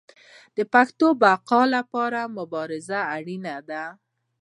د پښتو د بقا لپاره مبارزه اړینه ده.